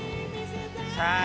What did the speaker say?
さあ